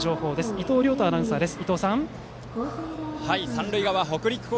伊藤亮太アナウンサーです。